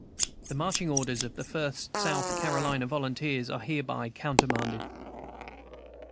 "'The marching orders of the First South Carolina Volunteers are hereby countermanded.'